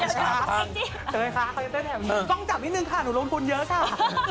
ต้องจับอีกนิดนึงค่ะหนูโรงพูลเยอะค่ะ